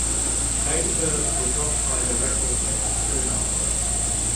Babybird were dropped by their record label soon after.